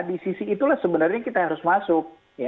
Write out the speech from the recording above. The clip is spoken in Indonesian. di sisi itulah sebenarnya kita yang harus masuk